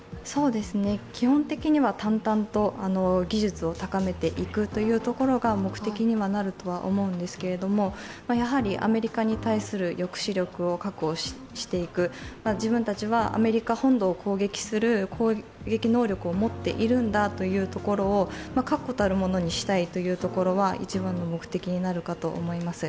基本的には淡々と技術を高めていくというところが目的にはなるとは思うんですけども、やはりアメリカに対する抑止力を確保していく、自分たちはアメリカ本土を攻撃する攻撃能力を持っているんだというところを確固たるものにしたいというところは一番の目的になると思います。